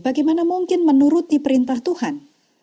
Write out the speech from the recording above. bagaimana mungkin menuruti perintah tuhan